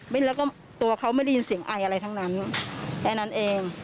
แล้วก็ตัวเขาไม่ได้ยินเสียงไออะไรทั้งนั้นแค่นั้นเอง